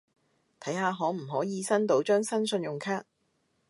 睇下可唔可以申到張新信用卡